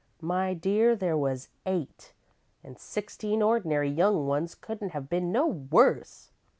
My dear, there was eight, an' sixteen ordinary young ones couldn't have been no worse.